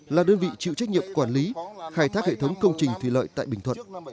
là đơn vị chịu trách nhiệm quản lý khai thác hệ thống công trình thủy lợi tại bình thuận